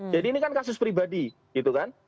jadi ini kan kasus pribadi gitu kan